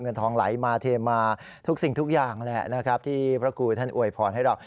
เงินทองไหลมาเทมาทุกสิ่งทุกอย่างแหละนะครับที่พระครูท่านอวยพรให้เรา